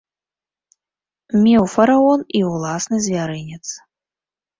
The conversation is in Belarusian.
Меў фараон і ўласны звярынец.